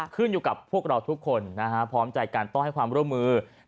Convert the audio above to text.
ขึ้นอยู่กับพวกเราทุกคนพร้อมใจกันต้องให้ความร่วมมือ